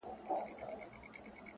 يو ځوان وايي دا ټول تبليغ دئ,